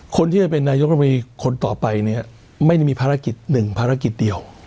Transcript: คนที่จะเป็นนายกรรมรีคนต่อไปเนี่ยไม่ได้มีภารกิจหนึ่งภารกิจเดียว